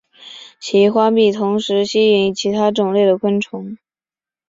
其花蜜同时吸引其他种类的昆虫。